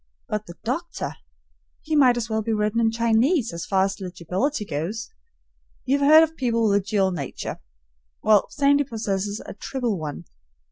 But the doctor! He might as well be written in Chinese so far as legibility goes. You have heard of people with a dual nature; well, Sandy possesses a triple one.